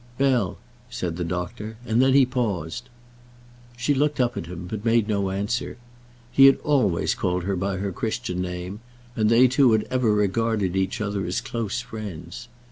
"Bell," said the doctor; and then he paused. She looked up at him, but made no answer. He had always called her by her Christian name, and they two had ever regarded each other as close friends.